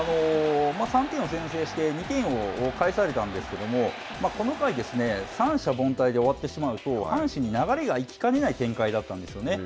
３点を先制して２点を返されたんですけれども、この回、三者凡退に終わってしまうと、阪神に流れが行きかねない展開だったんですよね。